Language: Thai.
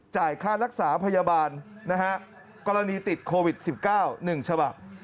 ค่ารักษาพยาบาลนะฮะกรณีติดโควิด๑๙๑ฉบับ